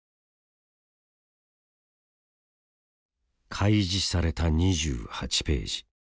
開示された２８ページ。